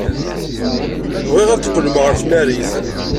Bɣiɣ ad d-teqqlem ɣer tnarit.